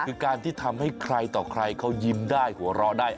คือการที่ทำให้ใครต่อใครเขายิ้มได้หัวเราะได้